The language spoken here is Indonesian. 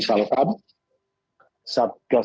pada konteks ini kami sesungguhnya sangat menyesalkan